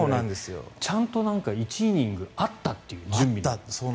ちゃんと１イニングあったという、準備に。